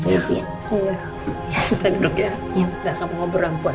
saya duduk ya gak akan ngobrol